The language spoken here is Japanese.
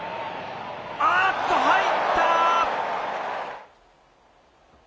あーっと、入った。